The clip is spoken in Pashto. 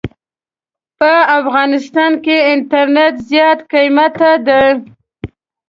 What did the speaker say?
په افغانستان کې انټرنيټ زيات قيمته دي.